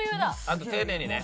あと丁寧にね。